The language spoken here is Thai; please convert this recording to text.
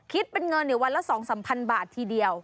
คิดเป็นเงินเดี๋ยววันละ๒๓พันบาททีเดียว